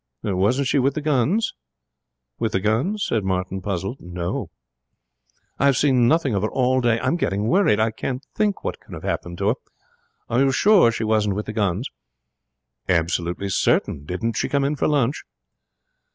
'Wasn't she with the guns?' 'With the guns' said Martin, puzzled. 'No.' 'I have seen nothing of her all day. I'm getting worried. I can't think what can have happened to her. Are you sure she wasn't with the guns?' 'Absolutely certain. Didn't she come in to lunch?'